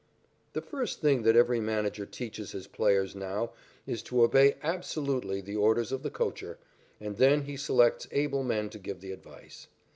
The first thing that every manager teaches his players now is to obey absolutely the orders of the coacher, and then he selects able men to give the advice.